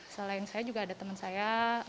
selain saya juga ada teman saya